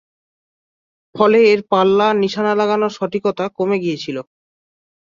ফলে এর পাল্লা আর নিশানা লাগানোর সঠিকতা কমে গিয়েছিলো।